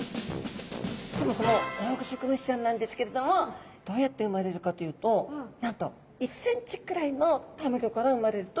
そもそもオオグソクムシちゃんなんですけれどもどうやって産まれるかというとなんと１ｃｍくらいのたまギョから産まれるといわれています。